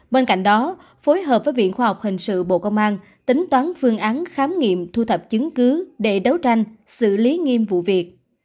bên cạnh đó phối hợp với viện khoa học hình sự bộ công an tính toán phương án khám nghiệm thu thập chứng cứ để đấu tranh xử lý nghiêm vụ việc